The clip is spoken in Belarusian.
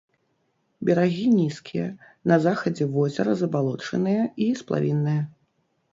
Берагі нізкія, на захадзе возера забалочаныя і сплавінныя.